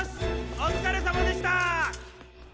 おつかれさまでした！